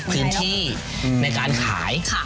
พื้นที่ในการขาย